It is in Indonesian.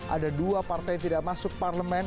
ada dua partai yang tidak masuk parlemen